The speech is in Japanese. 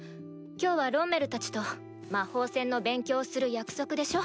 今日はロンメルたちと魔法戦の勉強をする約束でしょ。